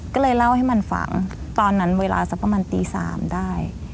ก็เลยเล่าให้มันฟังตอนนั้นเวลาสักประมาณตี๓ได้